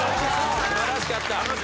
素晴らしかった。